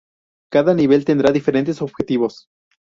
Cada nivel tendrá diferentes objetivos.